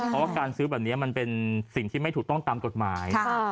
เพราะว่าการซื้อแบบนี้มันเป็นสิ่งที่ไม่ถูกต้องตามกฎหมาย